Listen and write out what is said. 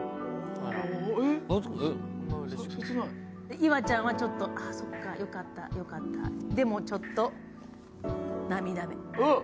岩ちゃんはちょっとよかった、よかった、でもちょっと涙目。